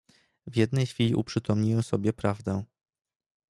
"W jednej chwili uprzytomniłem sobie prawdę."